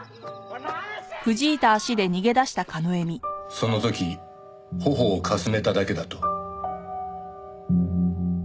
その時頬をかすめただけだと？